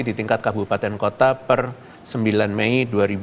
di tingkat kabupaten kota per sembilan mei dua ribu dua puluh